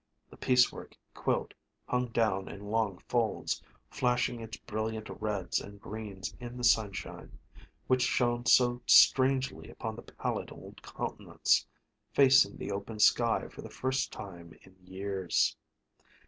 The piecework quilt hung down in long folds, flashing its brilliant reds and greens in the sunshine, which shone so strangely upon the pallid old countenance, facing the open sky for the first time in years.